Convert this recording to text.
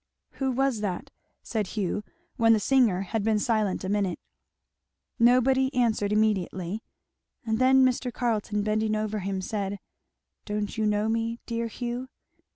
"Who was that?" said Hugh, when the singer had been silent a minute. Nobody answered immediately; and then Mr. Carleton bending over him, said, "Don't you know me, dear Hugh?"